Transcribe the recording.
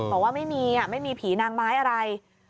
บอกว่าไม่มีไม่มีผีนางไม้อะไร